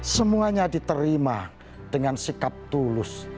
semuanya diterima dengan sikap tulus